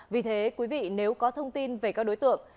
vì thế quý vị nếu có thông tin về các đối tượng